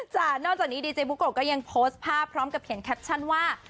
นอกจากนี้ดีเจบุโกะก็ยังโพสต์ภาพพร้อมกับเขียนแคปชั่นว่า